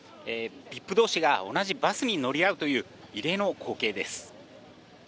ＶＩＰどうしが同じバスに乗り合うという異例の光景です。